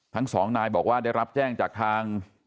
ทั้งสองนายบอกว่าได้รับแจ้งจากทาง